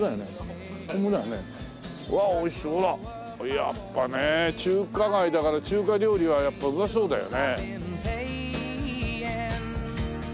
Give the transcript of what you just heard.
やっぱね中華街だから中華料理はやっぱうまそうだよね。